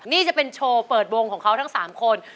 นี่จะเป็นโชว์เปิดวงของเขาทั้ง๓คน